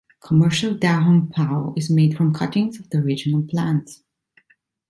Commercial Da Hong Pao is made from cuttings of the original plants.